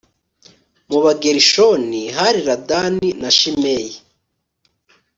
mu bagerushoni hari ladani na shimeyi